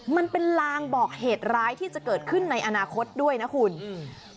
มันเป็นลางบอกเหตุร้ายที่จะเกิดขึ้นในอนาคตด้วยนะคุณอืม